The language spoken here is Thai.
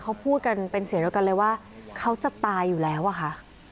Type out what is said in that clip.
เขาพูดกันเป็นเสียงเดียวกันเลยว่าเขาจะตายอยู่แล้วอะค่ะ